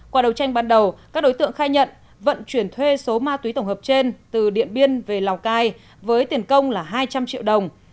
qua đầu tranh ban đầu các đối tượng khai nhận vận chuyển thuê số ma túy tổng hợp trên từ điện biên về lào cai với tiền công là hai trăm linh triệu đồng